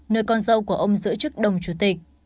nơi con dâu của ông giữ chức đồng chủ tịch